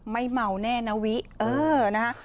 ไม่เมาแน่นะวิเออนะคะ